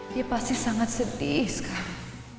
dia pasti sangat sedih sekali